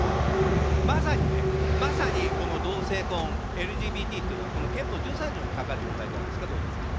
まさにね、まさにこの同性婚、ＬＧＢＴというのは、この憲法１３条に関わる問題じゃないですか、どうですか。